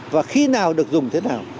và khi nào được dùng thế nào